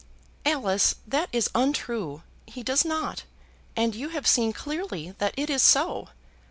"Alice, that is untrue. He does not; and you have seen clearly that it is so.